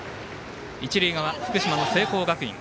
一塁側、福島、聖光学院。